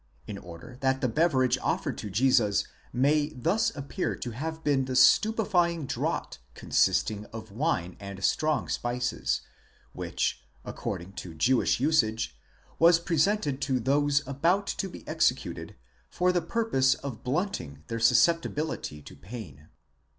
4 in order that the beverage offered to Jesus may thus appear to have been the stupefying draught consisting of wine and strong spices, which, according to Jewish usage, was presented to those about to be executed, for the purpose of blunting their susceptibility to pain.